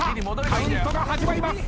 カウントが始まります。